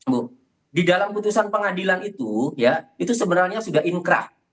bu di dalam putusan pengadilan itu ya itu sebenarnya sudah inkrah